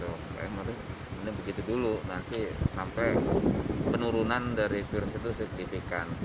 begitu dulu nanti sampai penurunan dari kursus itu signifikan